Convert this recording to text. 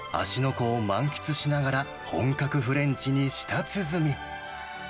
湖を満喫しながら本格フレンチに舌鼓。